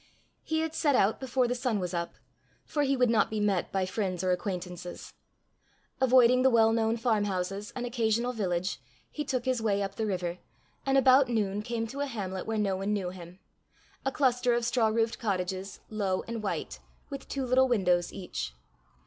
He had set out before the sun was up, for he would not be met by friends or acquaintances. Avoiding the well known farmhouses and occasional village, he took his way up the river, and about noon came to a hamlet where no one knew him a cluster of straw roofed cottages, low and white, with two little windows each.